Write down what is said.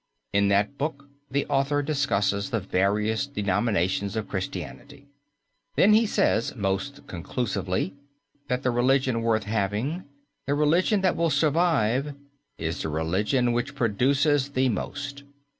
In that book the author discusses the various denominations of Christianity. Then he says most conclusively that the religion worth having, the religion that will survive, is the religion which produces the most.